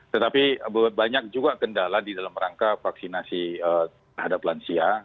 tetapi banyak juga kendala di dalam rangka vaksinasi terhadap lansia